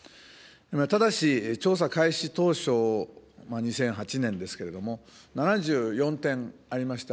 ただし、調査開始当初、２００８年ですけれども、７４点ありました